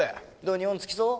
日本着きそう？